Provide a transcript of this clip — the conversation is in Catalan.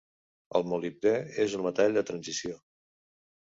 El molibdè és un metall de transició.